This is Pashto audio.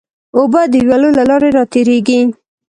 اوبه د ویالو له لارې راتېرېږي.